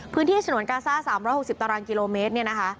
พื้นที่ฉนวนกาซ่า๓๖๐ตารางกิโลเมตร